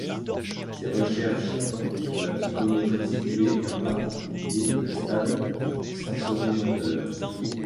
Ses recherches portent sur la psychomotricité et en particulier le stade sensori-moteur.